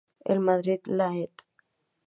En Madrid la Ed.